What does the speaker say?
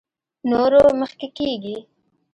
نورو مخکې کېږي.